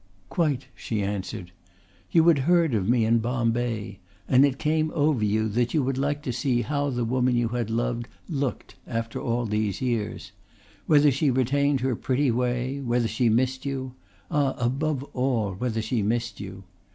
"Quite," she answered. "You had heard of me in Bombay and it came over you that you would like to see how the woman you had loved looked after all these years: whether she retained her pretty way, whether she missed you ah, above all, whether she missed you.